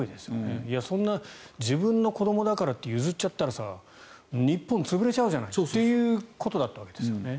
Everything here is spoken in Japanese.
そんな自分の子どもだからって譲っちゃったら日本、潰れちゃうじゃないということだったわけですよね。